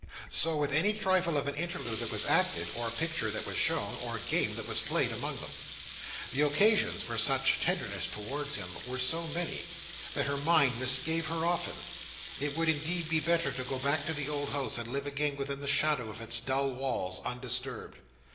So with any trifle of an interlude that was acted, or picture that was shown, or game that was played, among them. The occasions for such tenderness towards him were so many, that her mind misgave her often, it would indeed be better to go back to the old house, and live again within the shadow of its dull walls, undisturbed.